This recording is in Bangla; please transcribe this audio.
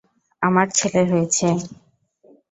আমার ছেলে হয়েছে!